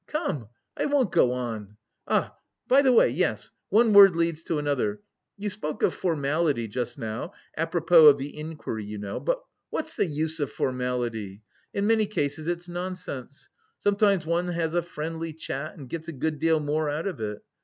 Come. I won't go on! Ah, by the way, yes! One word leads to another. You spoke of formality just now, apropos of the inquiry, you know. But what's the use of formality? In many cases it's nonsense. Sometimes one has a friendly chat and gets a good deal more out of it.